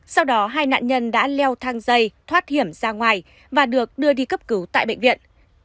sau đó hai nạn nhân đã leo thang dây thoát hiểm ra ngoài và được đưa đi cấp cứu tại bệnh viện